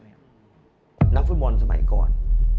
นักฟุตบอลสมัยก่อน